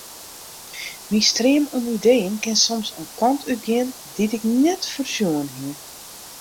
Myn stream oan ideeën kin soms in kant útgean dy't ik net foarsjoen hie.